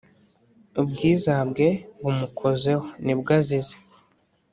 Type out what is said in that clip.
Ubwizabwe bumukozeho nibwo azize